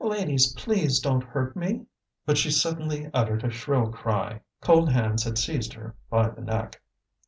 Ladies, please don't hurt me!" But she suddenly uttered a shrill cry; cold hands had seized her by the neck.